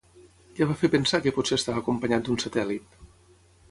Què va fer pensar que potser estava acompanyat d'un satèl·lit?